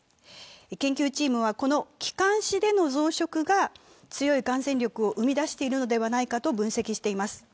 研究チームは、この気管支での増殖が強い感染力を生み出しているのではないかと分析しています。